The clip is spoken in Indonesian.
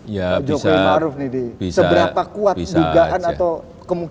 yang jelas sampai saat ini kita belum bertemu dengan seluruh orang